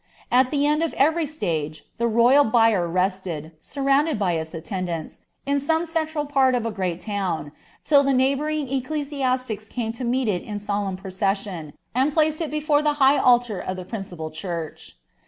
At the end of every stage the royal bier surrounded by its attendants, in some central part of a great II the neighbouring ecclesiastics came to meet it in solemn pro and placed it before the high altar of the principal church.